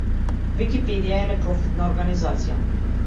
Википедија е непрофитна организација.